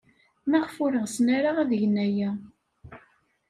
Maɣef ur ɣsen ara ad gen aya?